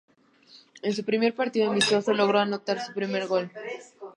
En su primer partido amistoso logró anotar su primer gol.